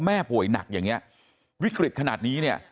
แม่ป่วยหนักอย่างนี้วิกฤตขนาดนี้เนี่ย